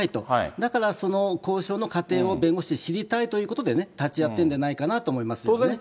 だからその交渉の過程を弁護士知りたいということで、立ち会ってるんじゃないかなと思いますよね。